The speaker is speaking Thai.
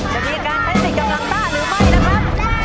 กำลังส้าหรือไม่